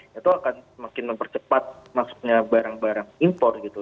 itu akan semakin mempercepat maksudnya barang barang impor gitu